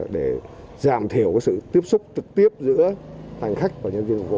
để giảm thiểu sự tiếp xúc trực tiếp giữa hành khách và nhân viên phục vụ